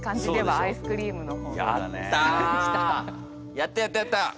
やったやったやった！